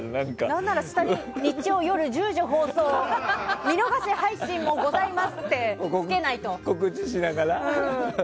何なら、下に日曜夜１０時放送見逃し配信もございますってつけないと。